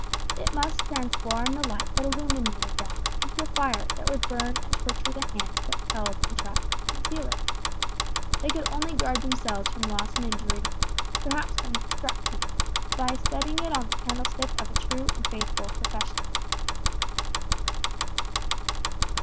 It must transform the light that illuminated them into a fire that would burn and torture the hands that held and tried to conceal it. They could only guard themselves from loss and injury, perhaps from destruction, by setting it on the candlestick of a true and faithful profession.